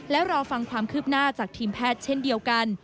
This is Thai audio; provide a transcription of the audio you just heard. และรอฟังความคืบหน้าจากทีมแพทย์เช่นเดียวกัน